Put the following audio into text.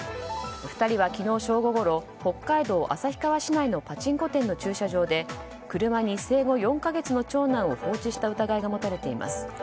２人は昨日正午ごろ北海道旭川市内のパチンコ店の駐車場で車に生後４か月の長男を放置した疑いが持たれています。